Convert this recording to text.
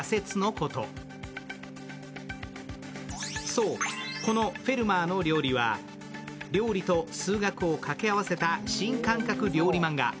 そう、この「フェルマーの料理」は料理と数学を掛け合わせた新感覚料理マンガ。